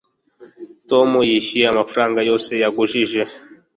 tom yishyuye amafaranga yose yagujije